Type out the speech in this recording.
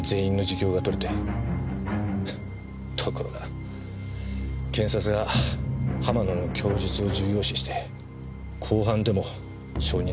フッところが検察が浜野の供述を重要視して公判でも証人で喚問した。